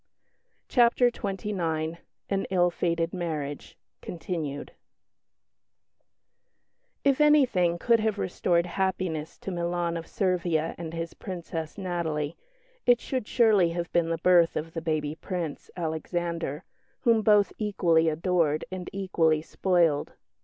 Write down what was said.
CHAPTER XXIX AN ILL FATED MARRIAGE continued If anything could have restored happiness to Milan of Servia and his Princess, Natalie, it should surely have been the birth of the baby Prince, Alexander, whom both equally adored and equally spoiled.